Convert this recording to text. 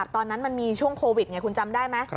ตอนนั้นมันมีช่วงโควิดไงคุณจำได้ไหม